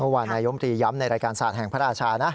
วานายมตรีย้ำในรายการศาสตร์แห่งพระราชานะ